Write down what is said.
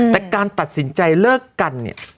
แต่การตัดสินใจเลิกกันเนี่ย